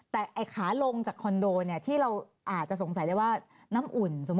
แต่ไอ้ขาลงจากคอนโดเนี่ยที่เราอาจจะสงสัยได้ว่าน้ำอุ่น